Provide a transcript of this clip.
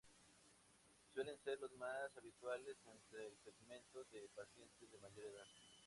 Suelen ser los más habituales entre el segmento de pacientes de mayor edad.